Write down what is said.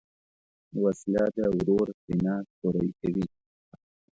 وسله د ورور سینه سوری کوي